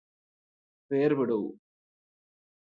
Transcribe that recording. വേര്പെടൂ